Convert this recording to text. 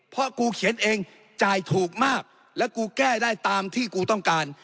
เพราะกูเขียนเองจ่ายถูกมากแล้วกูแก้ได้ตามที่กูต้องการ